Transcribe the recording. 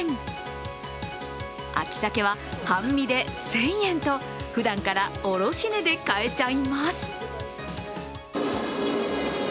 秋サケは半身で１０００円とふだんから卸値で買えちゃいます。